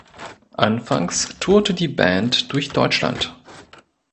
Anfangs tourte die Band durch Deutschland.